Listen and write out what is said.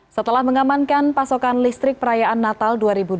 setelah mengamankan pasokan listrik perayaan natal dua ribu dua puluh